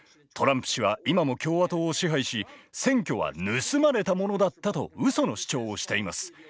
トランプ氏は今も共和党を支配し選挙は盗まれたものだったとうその主張をしています。